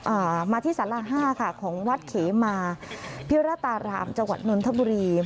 อ่ามาที่สาระห้าค่ะของวัดเขมาพิรตารามจังหวัดนนทบุรี